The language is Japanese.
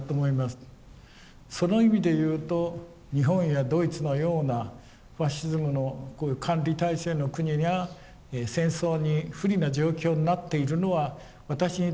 その意味で言うと日本やドイツのようなファシズムのこういう管理体制の国が戦争に不利な状況になっているのは私にとって非常に喜ばしいことです。